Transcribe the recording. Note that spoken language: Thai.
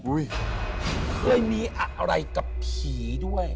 อุ้ยแล้วมีอะไรกับผีด้วย